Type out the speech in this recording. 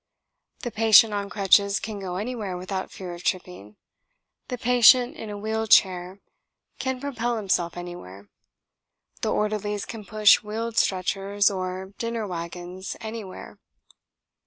The patient on crutches can go anywhere without fear of tripping, the patient in a wheeled chair can propel himself anywhere, the orderlies can push wheeled stretchers or dinner wagons anywhere.